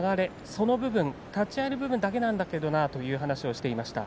その部分、立ち合いの部分だけなんだけどなという話をしていました。